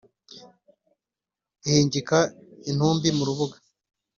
ruhingika intumbi mu rubuga